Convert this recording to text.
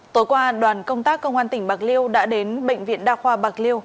tối qua đoàn công tác công an tỉnh bạc liêu đã đến bệnh viện đa khoa bạc liêu